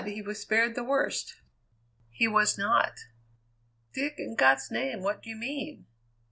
he was spared the worst." "He was not." "Dick, in God's name, what do you mean?"